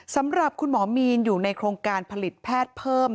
สำหรับคุณหมอมีนอยู่ในโครงการผลิตแพทย์เพิ่ม